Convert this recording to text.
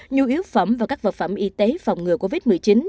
nhu yếu phẩm và các vật phẩm y tế phòng ngừa covid một mươi chín